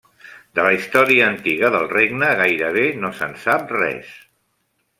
De la història antiga del regne gairebé no se'n sap res.